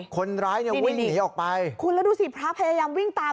คนร้ายเนี่ยวิ่งหนีออกไปคุณแล้วดูสิพระพยายามวิ่งตาม